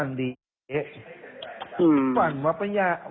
มีเงินเดียวกันคือเอาสักครั้งก่อนจะหยุดโคตรเต็ม